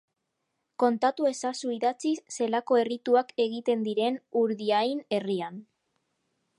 Kontatu ezazu idatziz zelako errituak egiten diren Urdiain herrian.